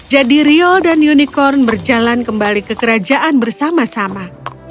jadi riol dan unicorn berjalan kembali ke kerajaan bersama sama